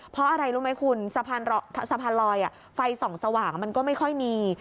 เพราะอะไรรู้ไหมคุณสะพานลอยไฟส่องสว่างมันก็ไม่ค่อยมี